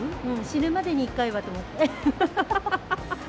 死ぬまでに一回はと思って。